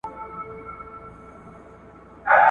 چي وو به نرم د مور تر غېږي !.